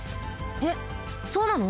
えっそうなの？